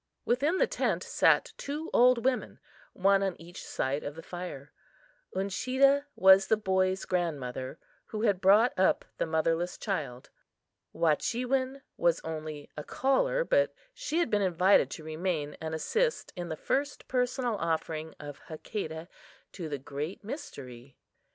Within the tent sat two old women, one on each side of the fire. Uncheedah was the boy's grandmother, who had brought up the motherless child. Wahchewin was only a caller, but she had been invited to remain and assist in the first personal offering of Hakadah to the "Great Mystery."